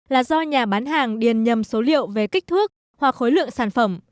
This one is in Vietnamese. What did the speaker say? là do nhà bán hàng điền nhầm số liệu về kích thước hoặc khối lượng sản phẩm